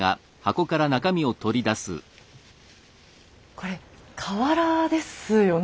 これ瓦ですよね。